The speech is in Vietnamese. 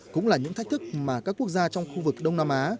cũng là những thách thức mà các quốc gia trong khu vực đông nam á